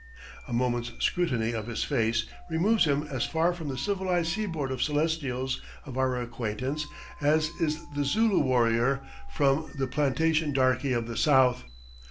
A moment's scrutiny of his face removes him as far from the civilized seaboard Celestials of our acquaintance as is the Zulu warrior from the plantation darky of the South.